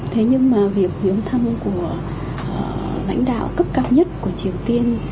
thế nhưng mà việc hướng thăm của lãnh đạo cấp cao nhất của triều tiên